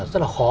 rất là khó